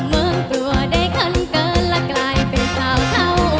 เมื่อตัวได้ขึ้นเกินและกลายเป็นสาวเท่า